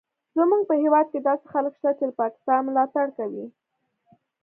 زموږ په هیواد کې داسې خلک شته چې د پاکستان ملاتړ کوي